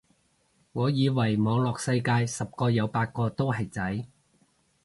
我以為網絡世界十個有八個都係仔